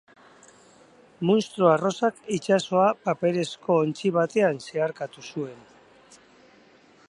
Munstro arrosak itsasoa paperezko ontzi batean zeharkatu zuen.